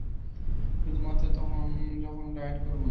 শুধুমাত্র তখন যখন ডায়েট করব না!